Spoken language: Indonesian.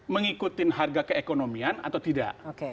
mengikuti harga keekonomian atau tidak